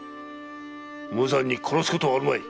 無残に殺すことはあるまい。